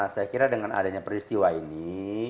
saya kira dengan adanya peristiwa ini